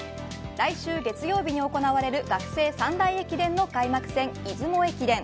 来週月曜日に行われる学生３大駅伝の開幕戦出雲駅伝。